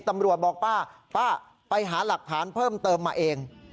ตำรวจบอกป้าป้าไปหาหลักฐานเพิ่มเติมมาเอง